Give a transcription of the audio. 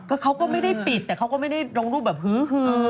ก็เขาก็ไม่ได้ปิดแต่เขาก็ไม่ได้ลงรูปแบบฮือฮือ